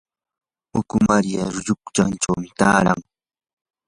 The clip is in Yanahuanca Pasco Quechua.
ukumari yunkachawmi taaran.